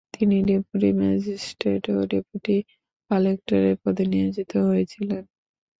তিনি deputy magistrate ও deputy কালেক্টরের পদে নিয়োজিত হয়েছিলেন।